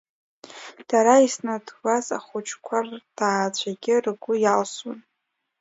Дара иснаҭуаз ахәыҷқәа рҭаацәагьы ргәы иалсуан.